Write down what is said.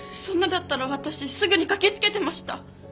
そんなだったら私すぐに駆けつけてました！